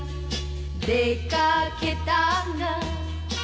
「出掛けたが」